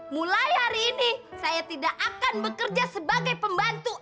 mulai hari ini saya tidak akan bekerja sebagai pembantu